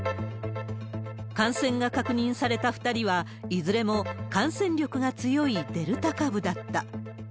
感染が確認された２人は、いずれも感染力が強いデルタ株だった。